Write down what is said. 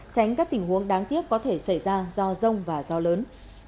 tránh các tình huống đáng tiếc có thể xảy ra do rông và gió lớn